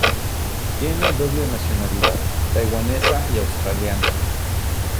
Tiene doble nacionalidad, taiwanesa y australiana.